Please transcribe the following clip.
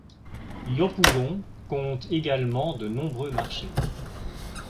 Yopougon compte également de nombreux marchés.